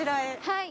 はい。